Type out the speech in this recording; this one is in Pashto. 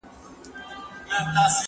زه هره ورځ کتابتون ته راځم؟